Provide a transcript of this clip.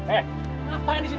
kenapa yang di sini